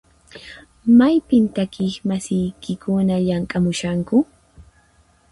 Maypin takiq masiykikuna llamk'amushanku?